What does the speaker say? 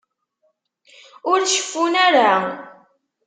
Ur ceffun ara.